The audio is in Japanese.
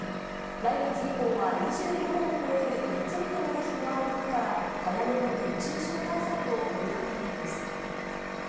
来月以降は、２５度を超える夏日となる日もあることから、早めの熱中症対策を呼びかけています。